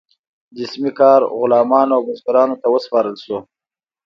جسمي کار غلامانو او بزګرانو ته وسپارل شو.